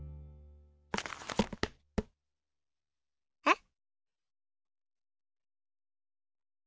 えっ？